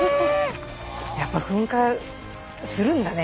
やっぱ噴火するんだね。